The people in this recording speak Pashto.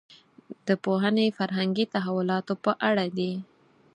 دا پوهنې فرهنګي تحولاتو په اړه دي.